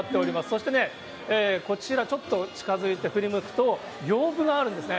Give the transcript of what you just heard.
そしてね、こちら、ちょっと近づいて振り向くとびょうぶがあるんですね。